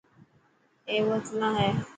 اي بوتلنا هي .